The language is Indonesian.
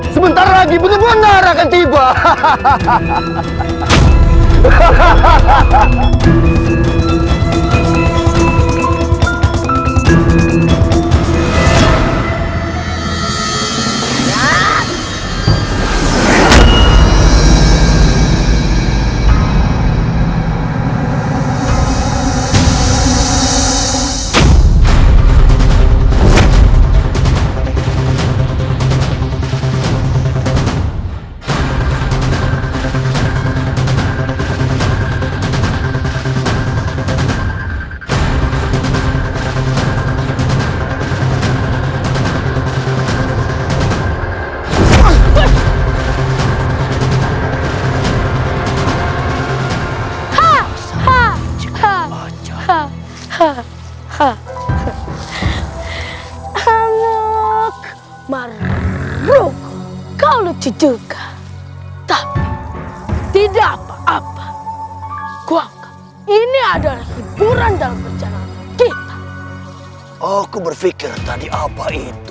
sebentar lagi benar benar akan tiba